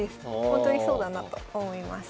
ほんとにそうだなと思います。